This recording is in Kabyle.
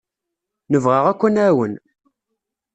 Nebɣa akk ad d-nɛawen.